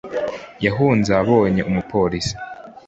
Yahunze abonye umupolisi